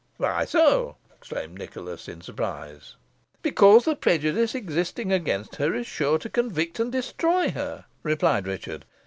"Why so?" exclaimed Nicholas, in surprise. "Because the prejudice existing against her is sure to convict and destroy her," replied Richard.